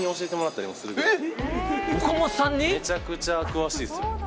めちゃくちゃ詳しいですよ。